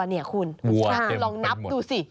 วัวเต็มไปหมดลองนับดูสิ